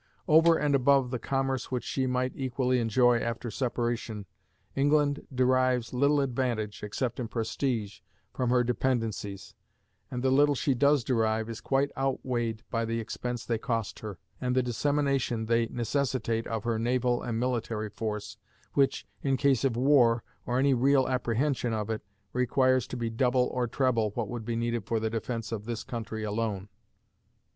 Over and above the commerce which she might equally enjoy after separation, England derives little advantage, except in prestige, from her dependencies, and the little she does derive is quite outweighed by the expense they cost her, and the dissemination they necessitate of her naval and military force, which, in case of war, or any real apprehension of it, requires to be double or treble what would be needed for the defense of this country alone.